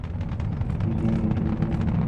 এটা এখন থেকে তোমাদের হোটেল।